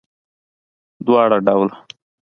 دواړه ډوله